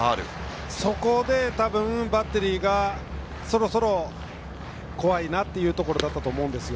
そこでたぶんバッテリーがねそろそろ怖いなというところだったと思うんですよ。